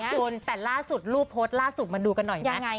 คุณแต่ล่าสุดรูปโพสต์ล่าสุดมาดูกันหน่อยนะ